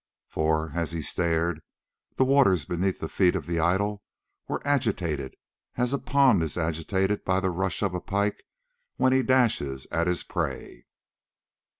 For as he stared, the waters beneath the feet of the idol were agitated as a pond is agitated by the rush of a pike when he dashes at his prey.